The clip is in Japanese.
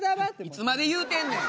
いつまで言うてんねん。